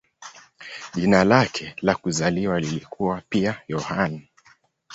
Jina lake la kuzaliwa lilikuwa pia "Yohane".